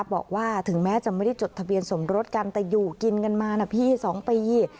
บอกว่าถึงแม้จะไม่ได้จดทะเบียนสมรสกันแต่อยู่กินกันมานะพี่๒ปี